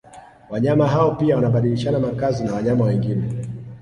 Wanyama hao pia wanabadilishana makazi na wanyama wengine